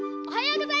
おはよう！